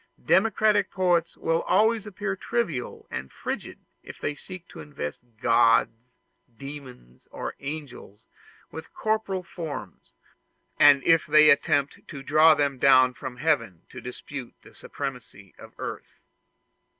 Democratic poets will always appear trivial and frigid if they seek to invest gods, demons, or angels, with corporeal forms, and if they attempt to draw them down from heaven to dispute the supremacy of earth.